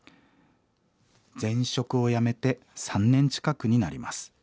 「前職を辞めて３年近くになります。